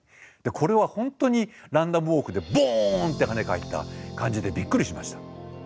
これは本当にランダムウォークでボンって跳ね返った感じでびっくりしました。